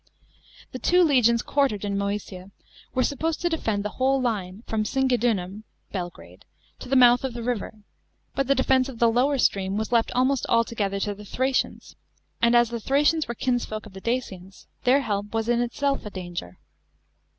The two legions quartered in Moesia were supposed to defend the whole line, from Singidunum (Belgrade) to the mouth of the river, but the defence of the lower stream was left almost altogether to the Thracians; and as the Thracians were kinsfolk of the Dacians, their help was in itself a danger.